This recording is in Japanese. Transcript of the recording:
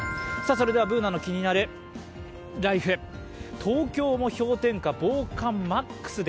それでは「ＢｏｏｎａのキニナルＬＩＦＥ」東京も氷点下、防寒ＭＡＸで。